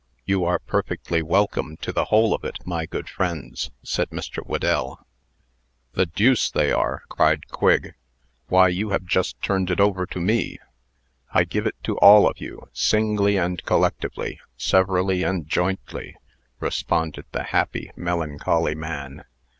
"You are perfectly welcome to the whole of it, my good friends," said Mr. Whedell. "The, deuce they are!" cried Quigg. "Why, you have just turned it over to me!" "I give it to all of you, singly and collectively, severally and jointly," responded the happy, melancholy man.